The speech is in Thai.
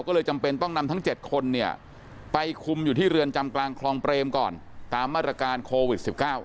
ก็เลยจำเป็นต้องนำทั้ง๗คนเนี่ยไปคุมอยู่ที่เรือนจำกลางคลองเปรมก่อนตามมาตรการโควิด๑๙